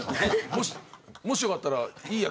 もしよかったらいい